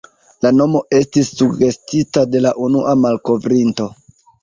La nomo estis sugestita de la unua malkovrinto.